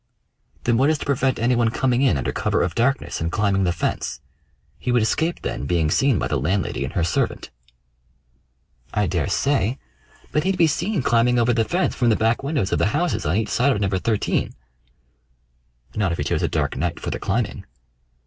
"Then what is to prevent any one coming in under cover of darkness and climbing the fence? He would escape then being seen by the landlady and her servant." "I daresay; but he'd be seen climbing over the fence from the back windows of the houses on each side of No. 13." "Not if he chose a dark night for the climbing."